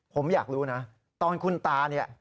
ผมอยากรู้นะตอนคุณตาเนี่ย